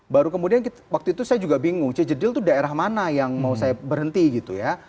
baru kemudian waktu itu saya juga bingung cijedil itu daerah mana yang mau saya berhenti gitu ya